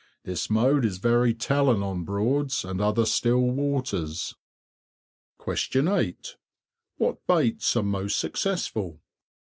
This mode is very telling on Broads and other still waters. 8. What baits are most successful?